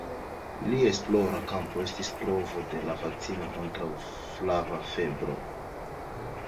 Lia esplora kampo estis trovo de vakcino kontraŭ flava febro.